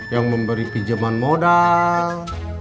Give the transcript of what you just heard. yang memberi pinjaman modal